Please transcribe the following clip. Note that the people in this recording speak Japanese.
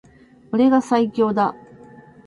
俺が最強だ